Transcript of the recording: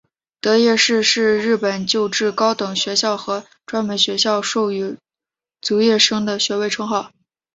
得业士是日本旧制高等学校和专门学校授与卒业生的学位称号。